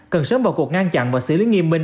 cần sớm vào cuộc ngăn chặn và xử lý nghiêm minh